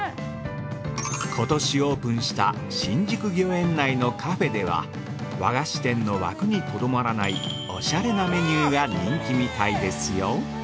◆ことしオープンした新宿御苑内のカフェでは、和菓子店の枠にとどまらないおしゃれなメニューが人気みたいですよ。